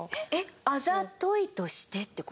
「あざとい」としてって事？